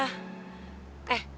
naik mobilnya si wawan temennya stewy